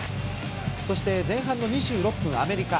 そして前半の２６分、アメリカ。